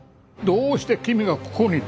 「どうして君がここに？」